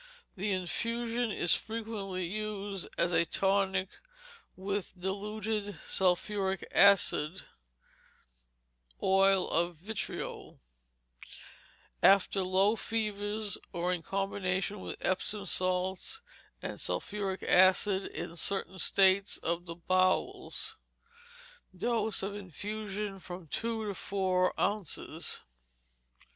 The infusion is frequently used as a tonic with diluted sulphuric acid (oil of vitriol), after low fevers, or in combination with Epsom salts and sulphuric acid in certain states of the bowels. Dose of infusion, from two to four ounces.